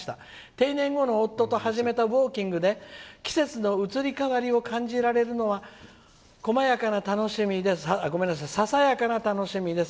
定年後の夫と始めたウォーキングで季節の移り変わりを感じられるのはささやかな楽しみです。